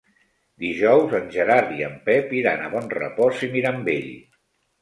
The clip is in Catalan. Dijous en Gerard i en Pep iran a Bonrepòs i Mirambell.